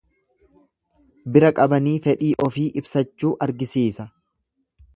Bira qabanii fedhii ofii ibsachuu argisiisa.